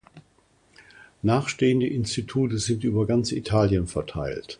Nachstehende Institute sind über ganz Italien verteilt.